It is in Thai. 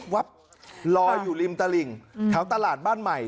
วับลอยอยู่ริมตลิ่งแถวตลาดบ้านใหม่